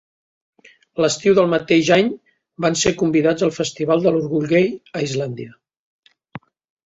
L'estiu del mateix any van ser convidats al festival de l'orgull gai a Islàndia.